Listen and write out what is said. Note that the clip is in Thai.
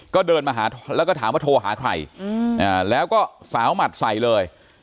ก็เดินมาหาแล้วก็ถามว่าโทรหาใครแล้วก็สาวหมัดใส่เลย